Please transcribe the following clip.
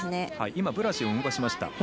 ブラシを動かしました。